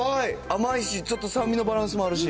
甘いし、ちょっと酸味のバランスもあるし。